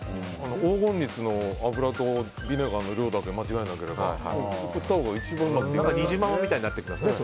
黄金律の油とビネガーの量だけ間違いなければ振ったほうが一番いい。にじままみたいになってきましたね。